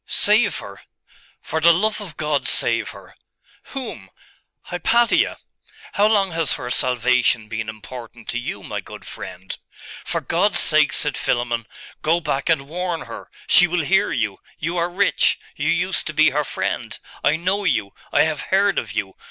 'Save her! for the love of God, save her!' 'Whom?' 'Hypatia!' 'How long has her salvation been important to you, my good friend?' 'For God's sake,' said Philammon, 'go back and warn her! She will hear you you are rich you used to be her friend I know you I have heard of you....